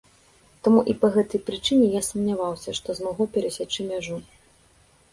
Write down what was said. Таму і па гэтай прычыне я сумняваўся, што змагу перасячы мяжу.